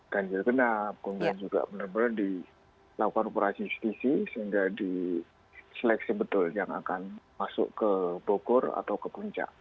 dan juga benar benar di lakukan operasi justisi sehingga diseleksi betul yang akan masuk ke bogor atau ke puncak